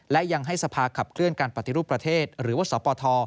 และยังให้สภาขับเคลื่อนการปฏิรูปประเทศหรือว่าสปท